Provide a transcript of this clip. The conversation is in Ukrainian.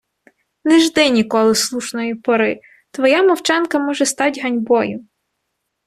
Не жди ніколи слушної пори – твоя мовчанка може стать ганьбою!